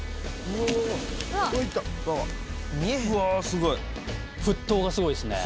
すごい沸騰がすごいですね